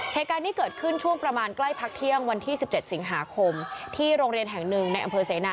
เหตุการณ์นี้เกิดขึ้นช่วงประมาณใกล้พักเที่ยงวันที่๑๗สิงหาคมที่โรงเรียนแห่งหนึ่งในอำเภอเสนา